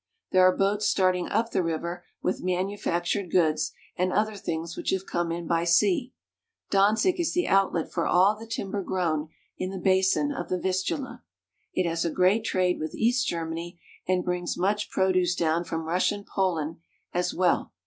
There are boats starting up the river with manufactured goods and other things which have come in by sea. Dan zig is the outlet for all the timber grown in the basin of the Vistula. It has a great trade with east Germany, and brings much produce down from Russian Poland as well.